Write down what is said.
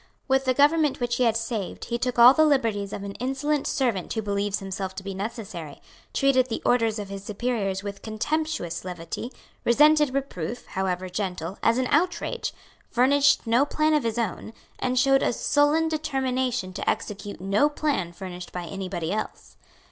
With the government which he had saved he took all the liberties of an insolent servant who believes himself to be necessary, treated the orders of his superiors with contemptuous levity, resented reproof, however gentle, as an outrage, furnished no plan of his own, and showed a sullen determination to execute no plan furnished by any body else.